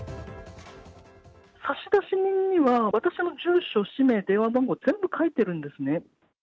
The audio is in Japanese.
差出人には、私の住所、氏名、電話番号、全部書いてるんですね。